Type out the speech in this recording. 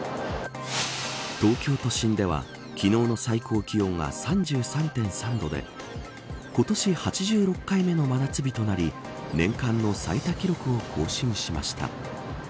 東京都心では昨日の最高気温が３３．３度で今年８６回目の真夏日となり年間の最多記録を更新しました。